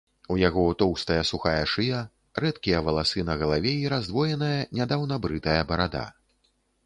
У яго тоўстая, сухая шыя, рэдкія валасы на галаве і раздвоеная, нядаўна брытая барада.